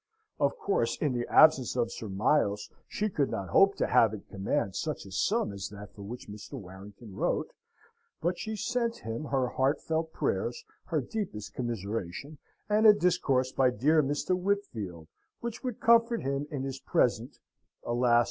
Of course, in the absence of Sir Miles, she could not hope to have at command such a sum as that for which Mr. Warrington wrote, but she sent him her heartfelt prayers, her deepest commiseration, and a discourse by dear Mr. Whitfield, which would comfort him in his present (alas!